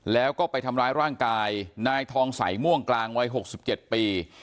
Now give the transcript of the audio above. แล้วก็ไปทำร้ายร่างกายนายทองใสม่วงกลางวัย๖๗ปี